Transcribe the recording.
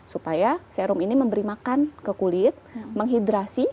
supaya serum ini memberi makan ke kulit menghidrasi